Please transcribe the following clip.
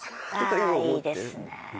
ああいいですね。